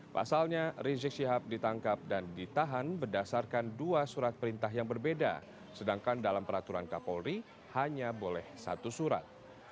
pasalnya rizik syihab ditangkap dan ditahan berdasarkan dua surat perintah yang berbeda sedangkan dalam peraturan kapolri hanya boleh satu surat